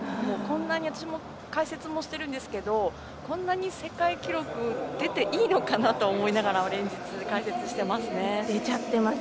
私も解説もしてるんですけどこんなに世界記録出ていいのかなと思いながら連日、解説しています。